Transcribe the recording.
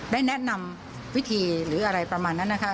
ได้แนะนำวิธีหรืออะไรประมาณนั้นนะคะ